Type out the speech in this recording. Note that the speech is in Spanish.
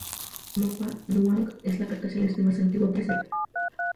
El mapa de Dunhuang es la carta celeste más antigua preservada.